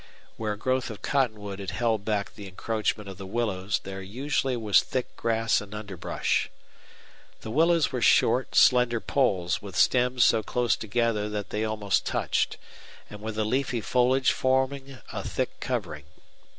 Where a growth of cottonwood had held back the encroachment of the willows there usually was thick grass and underbrush. The willows were short, slender poles with stems so close together that they almost touched, and with the leafy foliage forming a thick covering.